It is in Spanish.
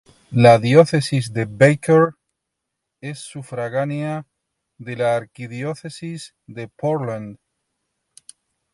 La Diócesis de Baker es sufragánea de la Arquidiócesis de Portland.